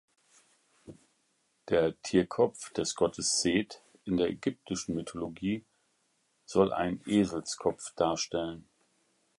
Der Tierkopf des Gottes Seth in der ägyptischen Mythologie soll einen Eselskopf darstellen.